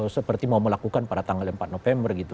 seperti mau melakukan pada tanggal empat november gitu